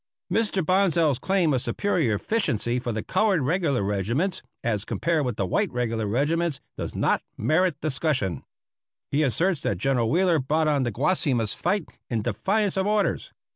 Mr. Bonsal's claim of superior efficiency for the colored regular regiments as compared with the white regular regiments does not merit discussion. He asserts that General Wheeler brought on the Guasimas fight in defiance of orders.